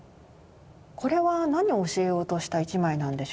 これは何を教えようとした一枚なんでしょうね？